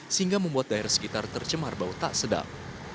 sehingga membuat daerah sekitar tercemar bau tak sedap